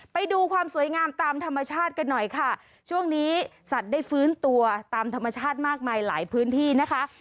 ไปดูความสวยงามตามธรรมชาติกันหน่อยค่ะช่วงนี้สัตว์ได้ฟื้นตัวตามธรรมชาติมากมายหลายพื้นที่นะคะ